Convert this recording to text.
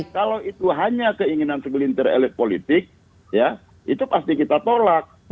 kalau itu hanya keinginan segelintir elit politik ya itu pasti kita tolak